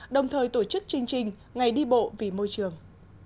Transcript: đồng thời tổ chức chương trình ngày đi bộ vì môi trường